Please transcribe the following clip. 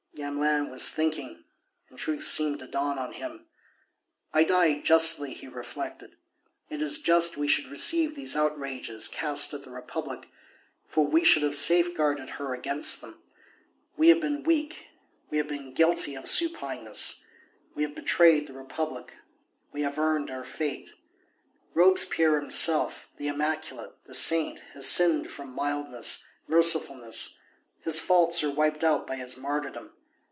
Gamelin was thinking, and truth seemed to dawn on him. "I die justly," he reflected. "It is just we should receive these outrages cast at the Republic, for we should have safeguarded her against them. We have been weak; we have been guilty of supineness. We have betrayed the Republic. We have earned our fate. Robespierre himself, the immaculate, the saint, has sinned from mildness, mercifulness; his faults are wiped out by his martyrdom.